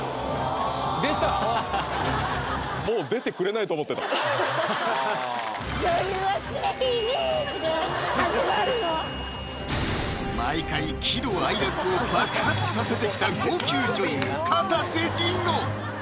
もう毎回喜怒哀楽を爆発させてきた号泣女優・かたせ梨乃